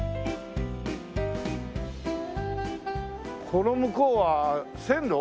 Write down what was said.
この向こうは線路？